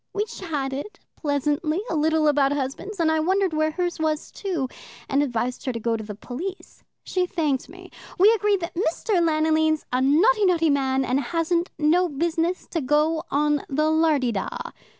We chatted pleasantly a little about husbands, and I wondered where hers was too, and advised her to go to the police. She thanked me. We agreed that Mr. Lanoline's a notty, notty man, and hasn't no business to go on the lardy da.